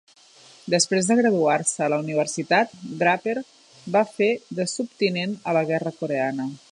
Després de graduar-se a la universitat, Draper va fer de subtinent a la guerra coreana.